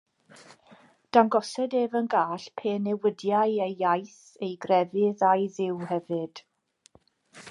Dangosed ef yn gall pe newidiai ei iaith, ei grefydd, a'i Dduw hefyd.